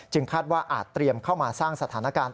คาดว่าอาจเตรียมเข้ามาสร้างสถานการณ์